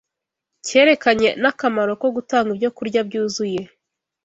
cyerekeranye n’akamaro ko gutanga ibyokurya byuzuye,